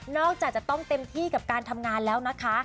จากจะต้องเต็มที่กับการทำงานแล้วนะคะ